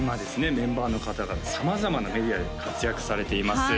メンバーの方が様々なメディアで活躍されています